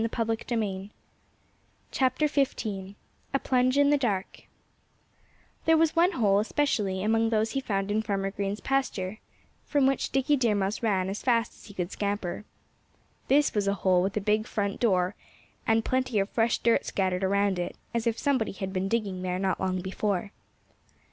XV A PLUNGE IN THE DARK There was one hole, especially, among those he found in Farmer Green's pasture, from which Dickie Deer Mouse ran as fast as he could scamper. This was a hole with a big front door, and plenty of fresh dirt scattered around it, as if somebody had been digging there not long before.